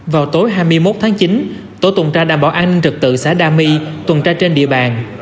vào tối hai mươi một tháng chín tổ tuần tra đảm bảo an ninh trật tự xã đa my tuần tra trên địa bàn